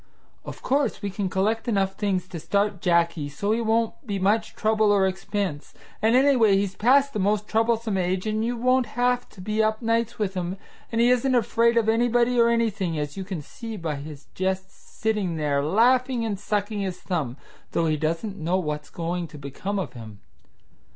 Of course, we can collect enough things to start Jacky, so he won't be much trouble or expense; and anyway, he's past the most troublesome age and you won't have to be up nights with him, and he isn't afraid of anybody or anything, as you can see by his just sitting there laughing and sucking his thumb, though he doesn't know what's going to become of him.